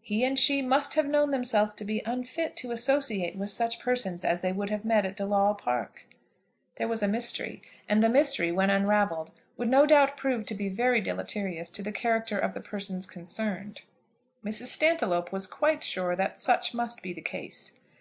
He and she must have known themselves to be unfit to associate with such persons as they would have met at De Lawle Park. There was a mystery, and the mystery, when unravelled, would no doubt prove to be very deleterious to the character of the persons concerned. Mrs. Stantiloup was quite sure that such must be the case.